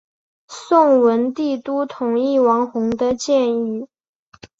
宋文帝都同意王弘的建议。